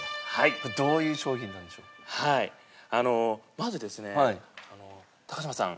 まずですね高嶋さん。